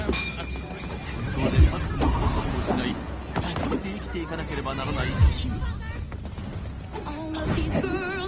戦争で家族もふるさとも失い一人で生きていかなければならないキム。